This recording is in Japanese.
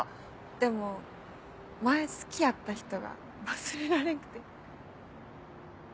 でも前好きやった人が忘れられんくて。